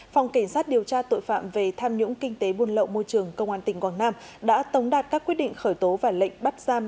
phòng cảnh sát điều tra tội phạm về tham nhũng kinh tế buôn lậu môi trường công an tỉnh quảng nam đã tống đạt các quyết định khởi tố và lệnh bắt giam